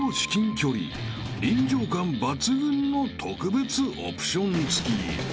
［臨場感抜群の特別オプション付き］